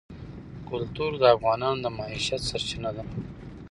کلتور د افغانانو د معیشت سرچینه ده.